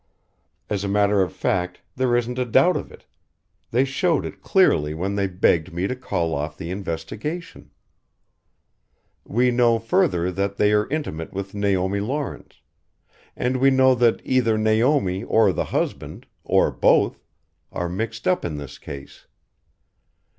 As a matter of fact, there isn't a doubt of it they showed it clearly when they begged me to call off the investigation. We know further that they are intimate with Naomi Lawrence and we know that either Naomi or her husband or both are mixed up in this case.